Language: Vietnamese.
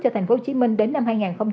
cho tp hcm đến năm hai nghìn ba mươi